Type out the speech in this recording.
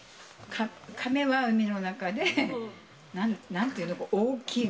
カメは海の中で、なんていうの、大きいの。